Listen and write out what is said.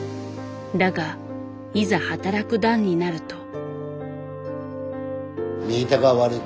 だがいざ働く段になると。